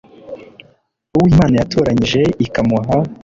uwo imana yatoranyije, ikamuha